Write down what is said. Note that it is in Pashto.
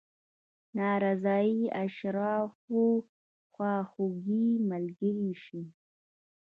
ناراضي اشرافو خواخوږي ملګرې شي.